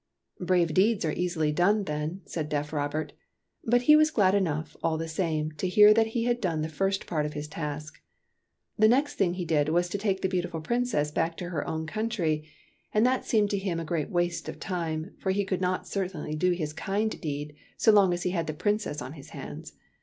" Brave deeds are easily done, then," said deaf Robert ; but he was glad enough, all the same, to hear that he had done the first part of his task. The next thing he did was to take the beautiful Princess back to her own coun try ; and that seemed to him a great waste of time, for he could not certainly do his kind TEARS OF PRINCESS PRUNELLA 123 deed so long as he had the Princess on his hands.